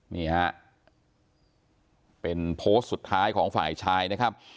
นี่ฮะเป็นโพสต์สุดท้ายของฝ่ายชายนะครับ